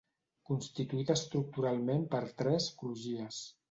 Constituït estructuralment per tres crugies.